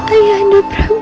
ayah anda prabu